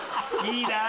いいな。